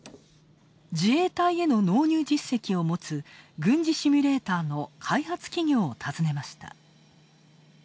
自衛隊への納入実績を持つ軍事シミュレーターの開発企業を訪ねました。